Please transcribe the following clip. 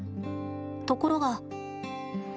ところが。